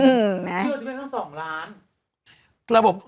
เชื่อที่ว่านั้น๒ล้าน